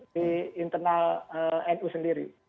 di internal nu sendiri